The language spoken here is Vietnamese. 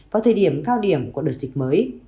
vào thời điểm cao điểm của đợt dịch mới